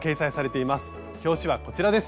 表紙はこちらです。